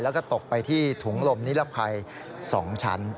แล้วก็ตกไปที่ถุงลมนิรภัย๒ชั้น